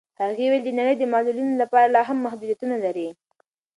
هغې وویل نړۍ د معلولینو لپاره لاهم محدودیتونه لري.